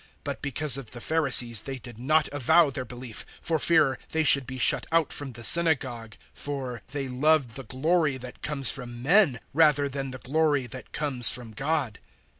But because of the Pharisees they did not avow their belief, for fear they should be shut out from the synagogue. 012:043 For they loved the glory that comes from men rather than the glory that comes from God.